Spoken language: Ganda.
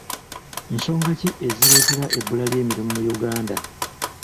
Nsonga ki ezireetera ebbula ly'emirimu mu Uganda?